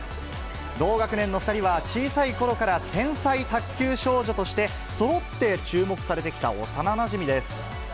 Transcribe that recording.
同学年の２人は、小さいころから天才卓球少女として、そろって注目されてきた幼なじみです。